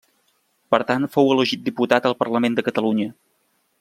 Per tant fou elegit diputat al Parlament de Catalunya.